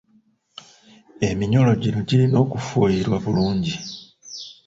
Eminyolo gino girina okufuuyirwa bulungi.